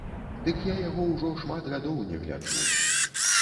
Дык я яго ўжо шмат гадоў не гляджу.